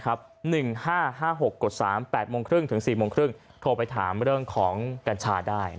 ๑๕๕๖กฎ๓๘โมงครึ่งถึง๔โมงครึ่งโทรไปถามเรื่องของกัญชาได้